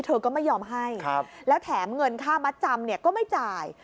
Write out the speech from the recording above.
เธอก็ไม่ยอมให้แล้วแถมเงินค่ามัดจำเนี่ยก็ไม่จ่าย